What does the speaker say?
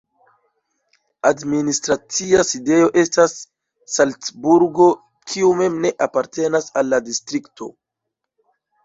Administracia sidejo estas Salcburgo, kiu mem ne apartenas al la distrikto.